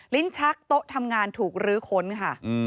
ลิ้นชักโต๊ะทำงานถูกลื้อค้นค่ะ